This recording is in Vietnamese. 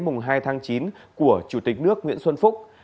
mùng hai tháng chín của chủ tịch nước nguyễn xuân phúc